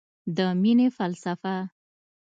د مینې فلسفه